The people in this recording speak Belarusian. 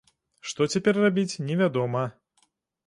Што цяпер рабіць, невядома.